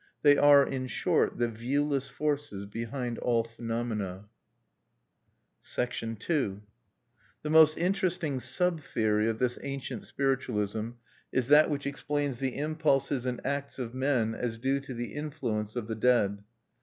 They are, in short, the viewless forces behind all phenomena. (1) Written in September, 1896. II The most interesting sub theory of this ancient spiritualism is that which explains the impulses and acts of men as due to the influence of the dead.